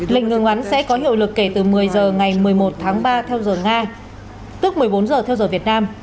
lệnh ngừng bắn sẽ có hiệu lực kể từ một mươi h ngày một mươi một tháng ba theo giờ nga tức một mươi bốn giờ theo giờ việt nam